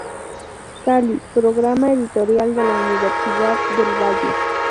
Cali: Programa Editorial de la Universidad del Valle.